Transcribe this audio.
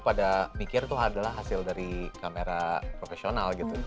pada mikir itu adalah hasil dari kamera profesional gitu